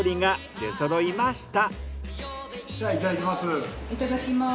ではいただきます。